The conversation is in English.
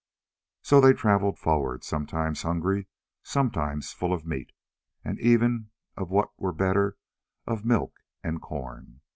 So they travelled forward, sometimes hungry, sometimes full of meat, and even of what were better, of milk and corn.